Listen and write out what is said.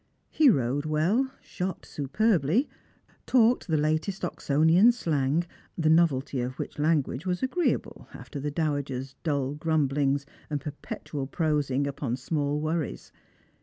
He rode well, shot superbly, talked the last Oxonian slang, the novelty of which language w«s agreeable after the dowager's dull grumblings and perpetual prosingupon small worries.